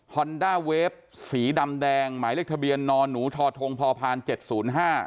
อนด้าเวฟสีดำแดงหมายเลขทะเบียนนอนหนูทอทงพอพานเจ็ดศูนย์ห้า